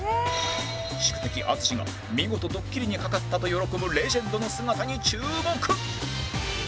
宿敵淳が見事ドッキリに掛かったと喜ぶレジェンドの姿に注目